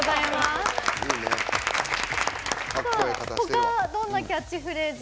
他どんなキャッチフレーズ